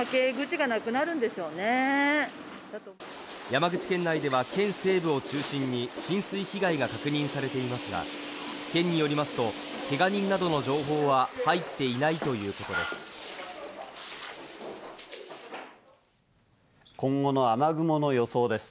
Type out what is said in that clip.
山口県内では県西部を中心に、浸水被害が確認されていますが、県によりますと、けが人などの情報は入っていないということです。